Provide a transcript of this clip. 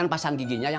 aku cuma nungguin aja